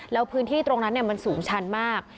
แล้วพื้นที่ตรงนั้นมันสูงชันมาก